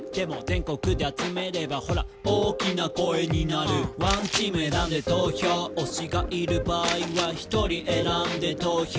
「全国で集めればほら大きな声になる」「１チーム選んで投票」「推しがいる場合は１人選んで投票」